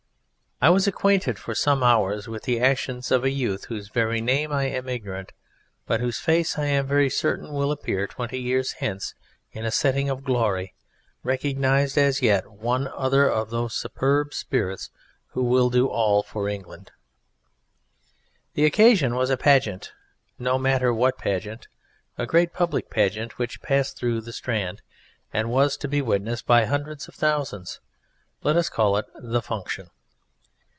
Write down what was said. I was acquainted for some hours with the actions of a youth of whose very name I am ignorant, but whose face I am very certain will reappear twenty years hence in a setting of glory, recognized as yet one other of those superb spirits who will do all for England. The occasion was a pageant no matter what pageant a great public pageant which passed through the Strand, and was to be witnessed by hundreds of thousands. Let us call it "The Function."